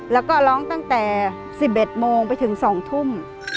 แล้วก็ร้องตั้งแต่๑๑โมงไปถึง๒ทุ่ม